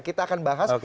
kita akan bahas